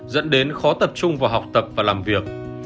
dẫn đến khó tập trung vào học tập và làm việc